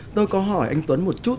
tôi có hỏi anh tuấn một chút